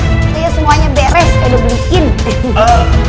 itu ya semuanya beres kayak dibelikin